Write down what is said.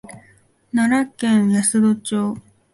奈良県安堵町